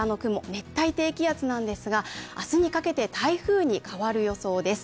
熱帯低気圧なんですが明日にかけて台風に変わる予想です。